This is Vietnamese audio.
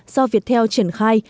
do viettel triển khai